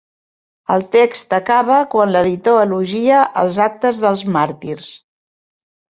El text acaba quan l'editor elogia els actes dels màrtirs.